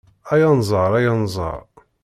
Ay Anẓar, ay Anẓar